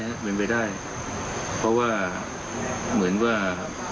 เป็นไปได้เพราะว่าเหมือนว่า